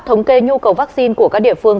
thống kê nhu cầu vaccine của các địa phương